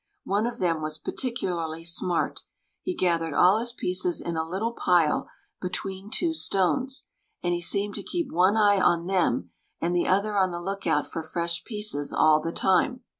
One of them was particularly smart; he gathered all his pieces in a little pile between two stones, and he seemed to keep one eye on them and the other on the lookout for fresh pieces all the time.